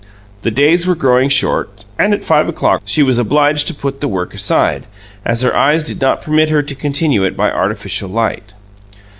The days were growing short, and at five o'clock she was obliged to put the work aside, as her eyes did not permit her to continue it by artificial light.